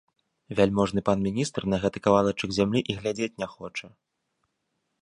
Вяльможны пан міністр на гэты кавалачак зямлі і глядзець не хоча.